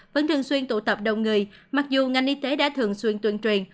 vẫn thường xuyên tụ tập đông người mặc dù ngành y tế đã thường xuyên tuyên truyền